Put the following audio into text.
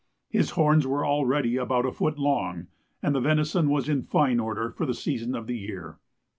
His horns were already about a foot long, and the venison was in fine order for the season of the year.